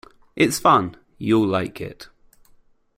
It's fun; you'll like it.